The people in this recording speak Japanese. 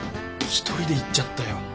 一人で行っちゃったよ。